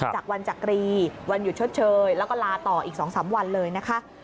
จากวันจักรีวันหยุดชดเชยแล้วก็ลาต่ออีก๒๓วันเลยนะคะ